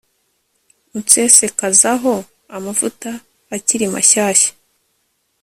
unsesekazaho amavuta akiri mashyashya